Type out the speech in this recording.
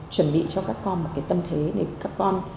chuẩn bị cho các con một cái tâm thế để các con